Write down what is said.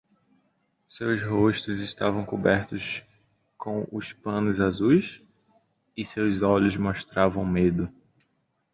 Seus rostos estavam cobertos com os panos azuis? e seus olhos mostravam medo.